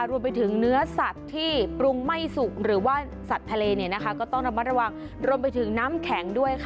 รวมไปถึงกับเนื้อสัตว์ที่ปรุงไหม้สุกหรือว่าสัตว์ทะเลน้ำแข็งด้วย